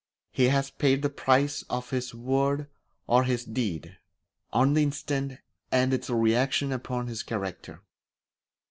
He has paid the price of his word or his deed on the instant in its reaction upon his character.